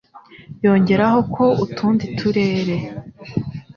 yongeraho ko utundi turere